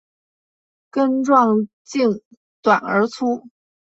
根状茎短而粗。